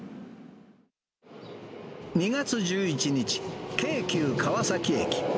２月１１日、京急川崎駅。